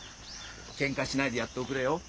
ケンカしないでやっておくれよ。